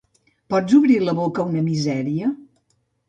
Pots obrir la boca una misèria?